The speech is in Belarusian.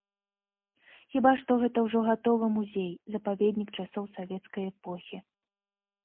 Хіба што гэта ўжо гатовы музей-запаведнік часоў савецкай эпохі.